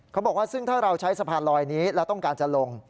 เขาบอกว่าซึ่งถ้าเราใช้สะพานลอยนี้แล้วต้องการจะลง